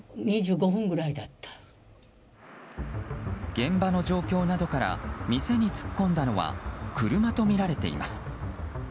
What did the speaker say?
現場の状況などから店に突っ込んだのは車とみられています。